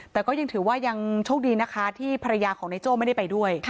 แต่ก็ยังถือว่ายังโชคดีนะคะที่ภรรยาของนายโจ้ไม่ได้ไปด้วย